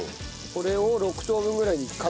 これを６等分ぐらいにカット。